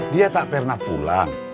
dia tak pernah pulang